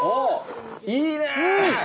いいね！